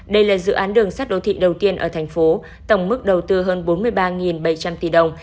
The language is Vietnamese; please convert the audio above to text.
đây là dự án đường sắt đô thị đầu tiên ở thành phố tổng mức đầu tư hơn bốn mươi ba bảy trăm linh tỷ đồng